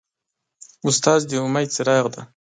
استاد د امید څراغ دی.